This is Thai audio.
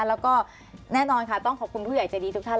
แล้วก็แน่นอนค่ะต้องขอบคุณผู้ใหญ่ใจดีทุกท่าน